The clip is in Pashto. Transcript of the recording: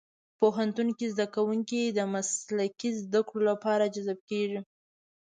پوهنتون کې زدهکوونکي د مسلکي زدهکړو لپاره جذب کېږي.